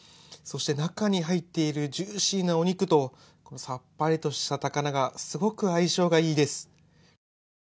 そして中に入っているジューシーなお肉と、このさっぱりとした高菜がすごく相性がいいです。